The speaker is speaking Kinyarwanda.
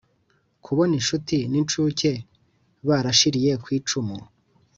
kubon inshuti n’incuke barashiriye kw’icumu